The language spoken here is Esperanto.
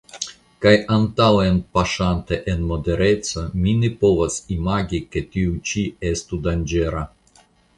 Kaj antaŭenpaŝante en modereco, mi ne povas imagi, ke tio ĉi estu danĝera.